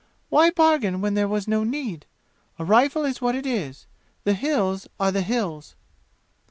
Why bargain when there was no need? A rifle is what it is. The 'Hills' are the 'Hills'!